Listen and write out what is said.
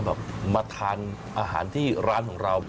แบบมาทานอาหารที่ร้านของเรา